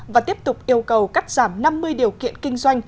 và tiếp tục yêu cầu cắt giảm năm mươi điều kiện kinh doanh